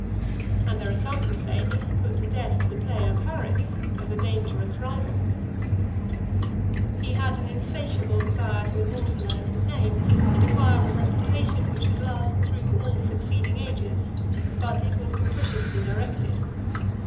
And there are some who say, that he put to death the player Paris as a dangerous rival. LV. He had an insatiable desire to immortalize his name, and acquire a reputation which should last through all succeeding ages; but it was capriciously directed.